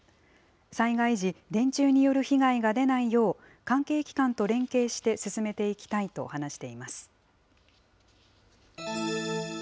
災害時、電柱による被害が出ないよう、関係機関と連携して進めていきたいと話しています。